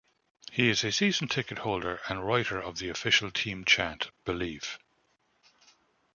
He is a season ticket holder and writer of the official team chant 'Believe'.